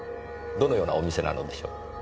どのようなお店なのでしょう？